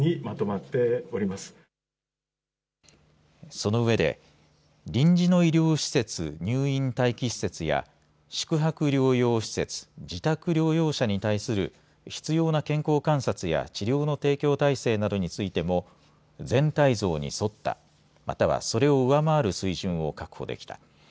そのうえで臨時の医療施設、入院待機施設や宿泊療養施設、自宅療養者に対する必要な健康観察や治療の提供体制などについても全体像に沿った、またはそれを上回る水準を確保できた。